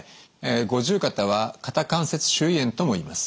五十肩は肩関節周囲炎ともいいます。